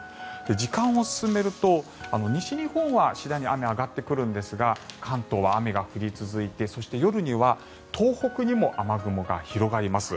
時間を進めると、西日本は次第に雨は上がってくるんですが関東は雨が降り続いてそして、夜には東北にも雨雲が広がります。